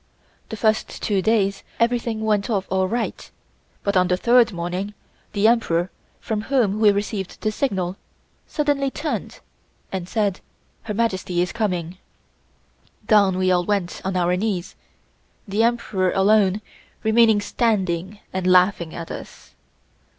The first two days everything went of all right, but on the third morning the Emperor, from whom we received the signal, suddenly turned and said: "Her Majesty is coming." Down we all went on our knees, the Emperor alone remaining standing and laughing at us.